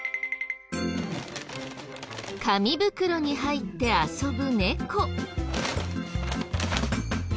紙袋に入って遊ぶ猫。